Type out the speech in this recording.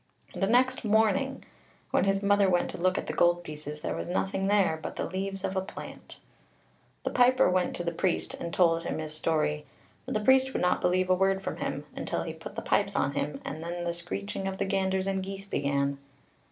The next morning, when his mother went to look at the gold pieces, there was nothing there but the leaves of a plant. The piper went to the priest, and told him his story, but the priest would not believe a word from him, until he put the pipes on him, and then the screeching of the ganders and geese began.